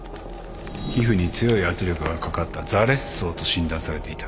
皮膚に強い圧力がかかった挫裂創と診断されていた。